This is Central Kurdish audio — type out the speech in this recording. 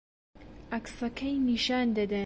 عەکسەکەی نیشان دەدەن